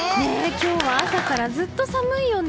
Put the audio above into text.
今日は朝からずっと寒いよね。